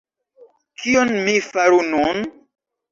Kion mi faru nun?